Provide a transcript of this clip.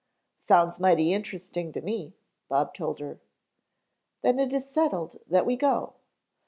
"Sounds mighty interesting to me," Bob told her. "Then it is settled that we go.